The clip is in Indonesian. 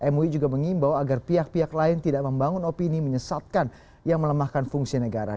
mui juga mengimbau agar pihak pihak lain tidak membangun opini menyesatkan yang melemahkan fungsi negara